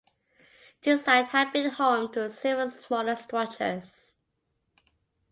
This site had been home to several smaller structures.